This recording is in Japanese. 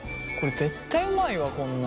絶対うまいわこんなん。